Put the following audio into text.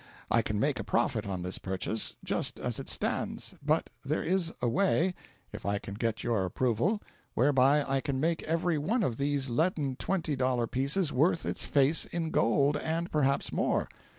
I can make a profit on this purchase, just as it stands; but there is a way, if I can get your approval, whereby I can make every one of these leaden twenty dollar pieces worth its face in gold, and perhaps more.